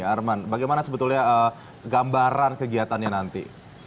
arman bagaimana sebetulnya gambaran kegiatannya nanti